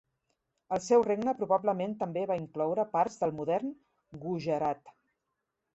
El seu regne probablement també va incloure parts del modern Gujarat.